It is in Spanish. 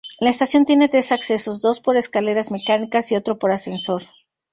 La estación tiene tres accesos, dos por escaleras mecánicas y otro por ascensor.